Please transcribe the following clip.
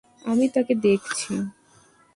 আমি তাকে দেখছি।